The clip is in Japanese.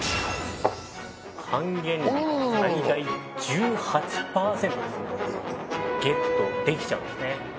最大１８％ですゲットできちゃうんですね